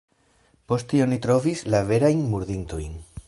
Poste oni trovis la verajn murdintojn.